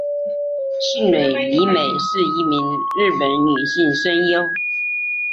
兴梠里美是一名日本女性声优。